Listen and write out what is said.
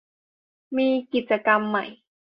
มีกิจกรรมใหม่